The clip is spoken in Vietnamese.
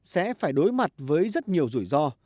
sẽ phải đối mặt với rất nhiều rủi ro